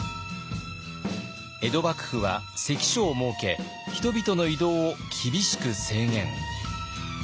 江戸幕府は関所を設け人々の移動を厳しく制限。